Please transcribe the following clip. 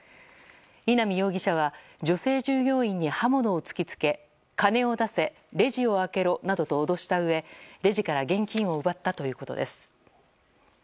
稲見容疑者は女性従業員に刃物を突き付け金を出せ、レジを開けろなどと脅したうえレジから現金を奪ったということです。